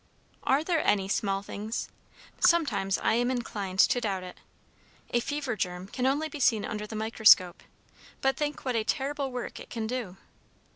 Are there any small things? Sometimes I am inclined to doubt it. A fever germ can only be seen under the microscope, but think what a terrible work it can do.